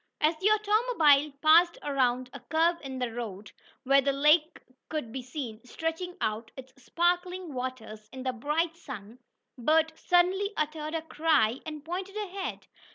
As the automobile passed around a curve in the road, where the lake could be seen stretching out its sparkling waters in the bright sun, Bert suddenly uttered a cry, and pointed ahead.